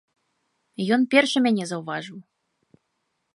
Ён першы мяне заўважыў.